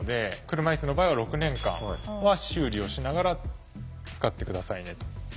車いすの場合は６年間は修理をしながら使って下さいねと。